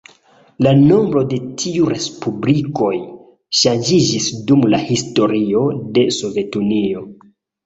La nombro de tiuj respublikoj ŝanĝiĝis dum la historio de Sovetunio.